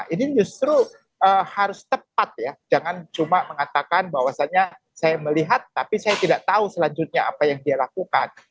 ini justru harus tepat ya jangan cuma mengatakan bahwasannya saya melihat tapi saya tidak tahu selanjutnya apa yang dia lakukan